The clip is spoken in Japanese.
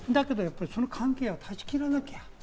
だけど、その関係は断ち切らなきゃ。